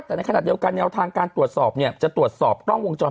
แต่ในขณะเดียวกันแนวทางการตรวจสอบเนี่ยจะตรวจสอบกล้องวงจร